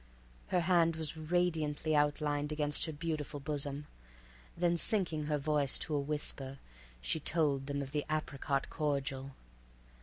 Her hand was radiantly outlined against her beautiful bosom; then sinking her voice to a whisper, she told them of the apricot cordial.